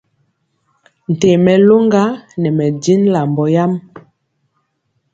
Ntee mɛ loŋga nɛ mɛ jin lambɔ yam.